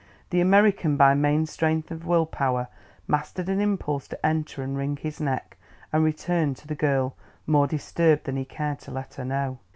The American by main strength of will power mastered an impulse to enter and wring his neck, and returned to the girl, more disturbed than he cared to let her know.